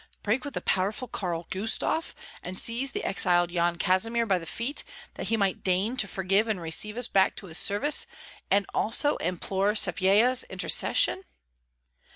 "Break with the powerful Karl Gustav, and seize the exiled Yan Kazimir by the feet, that he might deign to forgive and receive us back to his service, and also implore Sapyeha's intercession."